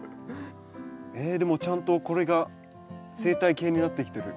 えでもちゃんとこれが生態系になってきてる。